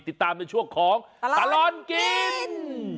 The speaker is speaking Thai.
ติดตามในช่วงของตลอดกิน